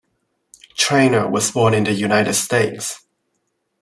Trainor was born in the United States.